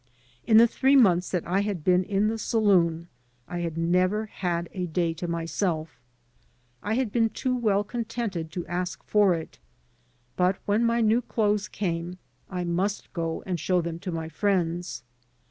In the three months that I had been in the saloon I had never had 181 AN AMERICAN IN THE MAKING a day to myself. I had been too well contented to ask for it. But when my new clothes came I must go and show them to my friends.